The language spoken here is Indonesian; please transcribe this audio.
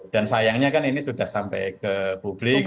dan sayangnya kan ini sudah sampai ke publik